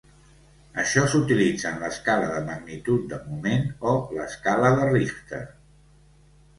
Això s'utilitza en l'escala de magnitud de moment o l'escala de Richter.